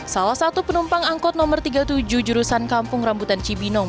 salah satu penumpang angkot nomor tiga puluh tujuh jurusan kampung rambutan cibinong